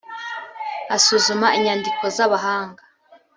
asuzuma inyandiko z’abahanga